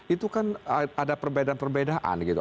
itu kan ada perbedaan perbedaan gitu